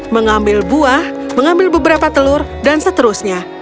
mengambil buah mengambil beberapa telur dan seterusnya